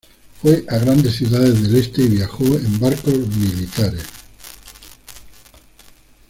Fue a grandes ciudades del este y viajó en barcos militares.